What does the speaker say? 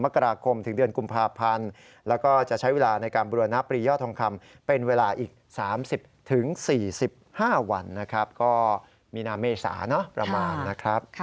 ก็มีนามเมษาประมาณนะครับ